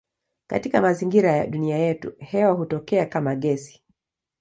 Katika mazingira ya dunia yetu hewa hutokea kama gesi.